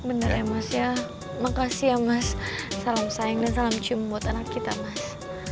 bener ya mas ya makasih ya mas salam sayang dan salam cium buat anak kita mas